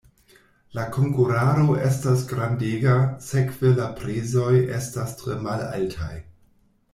La konkurado estas grandega, sekve la prezoj estas tre malaltaj.